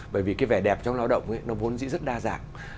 bởi vì cái vẻ đẹp trong lao động ấy nó vốn dĩ rất đa dạng